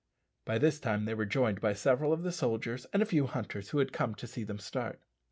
By this time they were joined by several of the soldiers and a few hunters who had come to see them start.